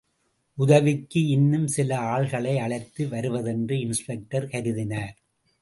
உதவிக்கு இன்னும் சில ஆள்களை அழைத்து வருவதென்று இன்ஸ்பெக்டர் கருதினார்.